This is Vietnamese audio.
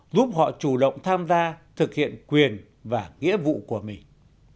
giúp họ chủ động tham gia thực hiện quyền và nghĩa vụ của mình